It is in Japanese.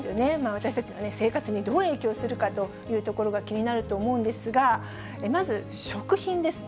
私たちの生活にどう影響するかというところが気になると思うんですが、まず食品ですね。